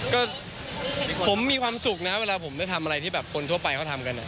ก็ผมมีความสุขนะเวลาผมได้ทำอะไรที่แบบคนทั่วไปเขาทำกัน